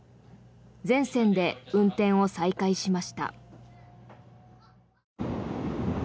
全線で運転を再開しました。